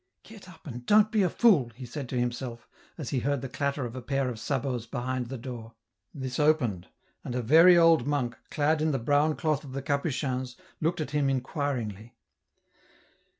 " Get up and don't be a fool," he said to himself, as he heard the clatter of a pair of salDOts behind the door. This opened, and a very old monk, clad in the brown cloth of the Capuchins, looked at him inquiringly.